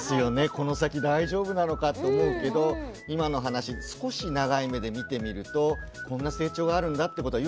この先大丈夫なのかと思うけど今の話少し長い目で見てみるとこんな成長があるんだってことはよく分かりました。